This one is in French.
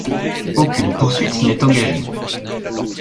Aucune poursuite n'est engagée.